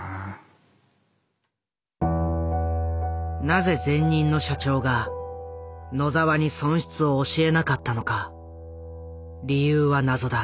なぜ前任の社長が野澤に損失を教えなかったのか理由は謎だ。